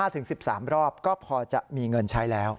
ถึง๑๓รอบก็พอจะมีเงินใช้แล้ว